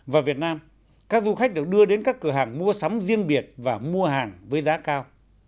và việt nam các du khách được đưa đến các cửa hàng mua sắm riêng biệt và mua hàng với giá cao